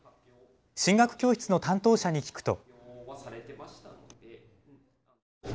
進学教室の担当者に聞くと。